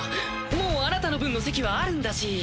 もうあなたの分の席はあるんだし。